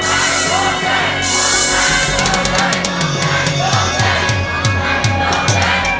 สุดท้ายสุดท้ายสุดท้ายสุดท้ายสุดท้าย